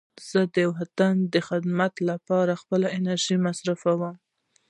زه د وطن د خدمت لپاره خپله انرژي مصرفوم.